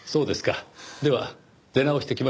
では出直してきましょう。